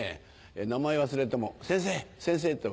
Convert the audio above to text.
名前忘れても「先生！先生！」って言えばね